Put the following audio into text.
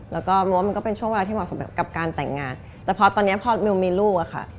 แล้วก็มิวว่ามันก็เป็นช่วงเวลาที่เหมาะสมกับการแต่งงานแต่พอตอนนี้พอมิวมีลูกอะค่ะ